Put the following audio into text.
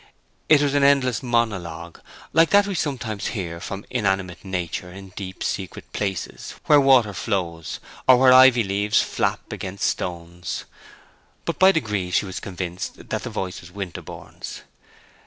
It was an endless monologue, like that we sometimes hear from inanimate nature in deep secret places where water flows, or where ivy leaves flap against stones; but by degrees she was convinced that the voice was Winterborne's.